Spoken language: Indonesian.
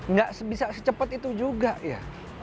nggak bisa secepat itu juga ya